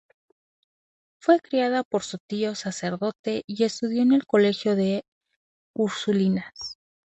Fue criada por su tío sacerdote y estudió en el colegio de las ursulinas.